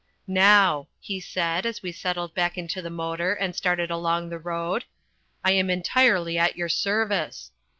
"Now," he said as we settled back into the motor and started along the road, "I am entirely at your service.